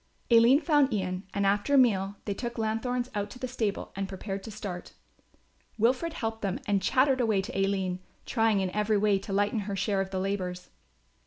Aline found Ian and after a meal they took lanthorns out to the stable and prepared to start. Wilfred helped them and chattered away to Aline, trying in every way to lighten her share of the labours.